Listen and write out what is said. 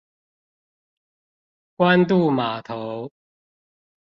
關渡碼頭